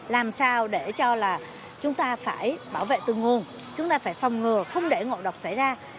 làm sao để cho là chúng ta phải bảo vệ từng nguồn chúng ta phải phòng ngừa không để ngộ độc xảy ra